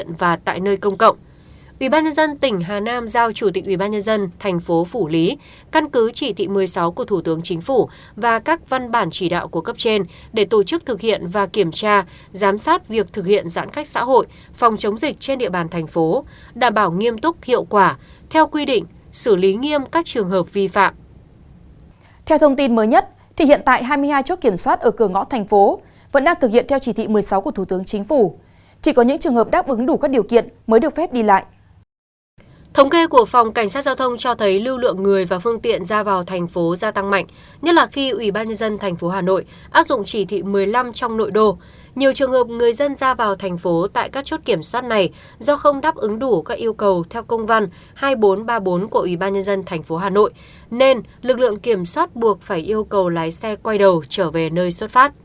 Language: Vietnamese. nhất là khi ubnd tp hà nội áp dụng chỉ thị một mươi năm trong nội đô nhiều trường hợp người dân ra vào thành phố tại các chốt kiểm soát này do không đáp ứng đủ các yêu cầu theo công văn hai nghìn bốn trăm ba mươi bốn của ubnd tp hà nội nên lực lượng kiểm soát buộc phải yêu cầu lái xe quay đầu trở về nơi xuất phát